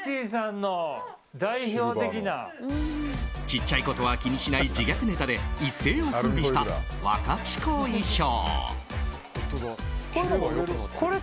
ちっちゃいことは気にしない自虐ネタで一世を風靡したワカチコ衣装。